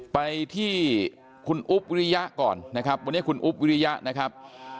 ไปที่คุณอุ๊บวิริยะก่อนนะครับวันนี้คุณอุ๊บวิริยะนะครับ